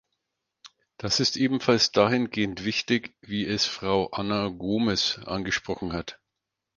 Das ist ebenfalls dahingehend wichtig, wie es Frau Ana Gomes angesprochen hat.